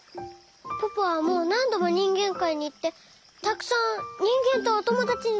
ポポはもうなんどもにんげんかいにいってたくさんにんげんとおともだちになったでしょ？